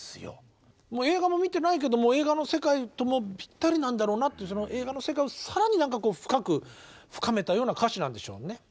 映画も見てないけど映画の世界ともぴったりなんだろうなって映画の世界を更に深く深めたような歌詞なんでしょうね。